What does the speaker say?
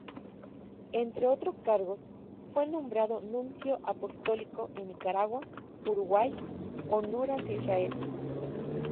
Entre otros cargos, fue nombrado nuncio apostólico en Nicaragua, Uruguay, Honduras e Israel.